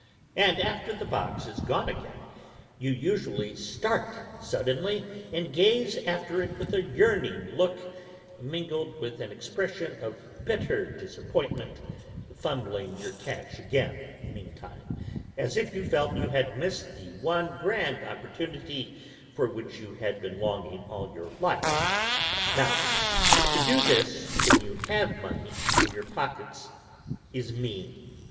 And after the box is gone again, you usually start suddenly and gaze after it with a yearning look, mingled with an expression of bitter disappointment (fumbling your cash again meantime), as if you felt you had missed the one grand opportunity for which you had been longing all your life. Now, to do this when you have money in your pockets is mean.